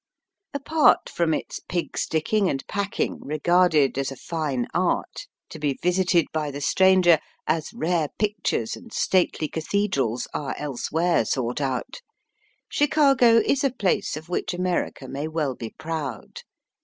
Apart from its pig sticking and packing regarded as a fine art, to be visited by the stranger as rare pictures and stately cathedrals are elsewhere sought out, Chicago is a place of which America may well be proud.